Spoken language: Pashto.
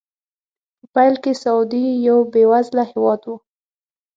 په پیل کې سعودي یو بې وزله هېواد و.